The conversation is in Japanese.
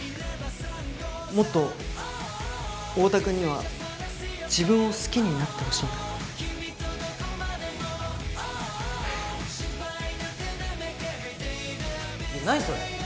もっとオオタ君には自分を好きになってほしいから。